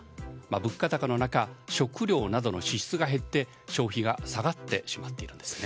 物価高の中食料などの支出が減って消費が下がってしまっているんですね。